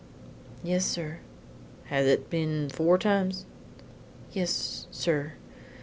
"Yes, sir." "Has it be'n four times?" "Y es, sir."